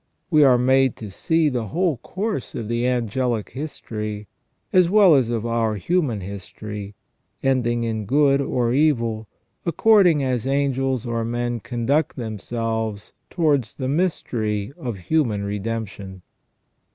We are made to see the whole course of the angelic history, as well as of our human history, ending in good or evil, according as angels or men conduct themselves towards the mystery of human redemption.